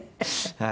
はい。